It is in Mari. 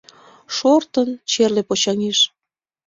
Шортын, черле почаҥеш.